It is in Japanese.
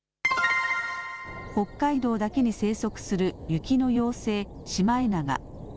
北海道だけに生息する雪の妖精シマエナガ。